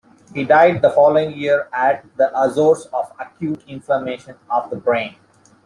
He died the following year at the Azores of "acute inflammation of the brain".